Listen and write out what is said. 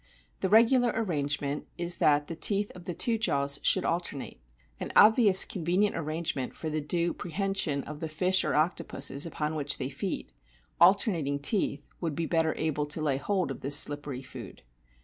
The regular arrangement is that the teeth of the two jaws should alternate an obviously convenient arrangement for the due pre hension of the fish or octopuses upon which they feed ; alternating teeth would be better able to lay hold of this slippery food.